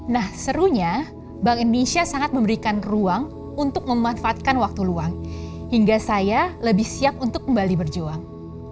nah serunya bank indonesia sangat memberikan ruang untuk memanfaatkan waktu luang hingga saya lebih siap untuk kembali berjuang